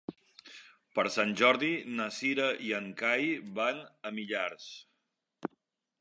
Per Sant Jordi na Cira i en Cai van a Millars.